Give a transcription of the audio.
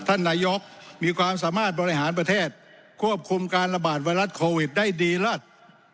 ท่านนายกมีความสามารถบริหารประเทศควบคุมการระบาดไวรัสโควิดได้ดีเลิศ